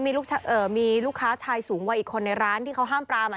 มีลูกค้าชายสูงวัยอีกคนในร้านที่เขาห้ามปรามอ่ะ